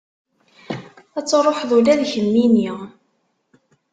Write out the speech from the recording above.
Ad truḥeḍ ula d kemmini.